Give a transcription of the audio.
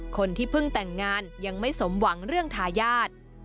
คนที่เพิ่งแต่งงานยังไม่สมหวังเรื่องทายาท